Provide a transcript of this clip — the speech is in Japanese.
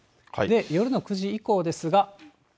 夜の９時以降ですが。